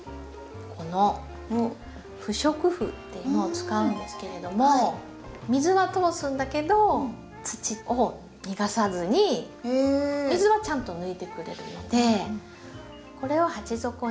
この不織布っていうのを使うんですけれども水は通すんだけど土を逃がさずに水はちゃんと抜いてくれるのでこれを鉢底に敷くことで。